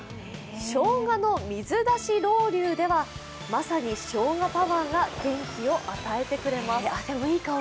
生姜の水出しロウリュではまさに生姜パワーが元気を与えてくれます。